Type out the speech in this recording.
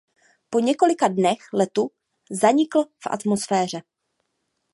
Po několika dnech letu zanikl v atmosféře.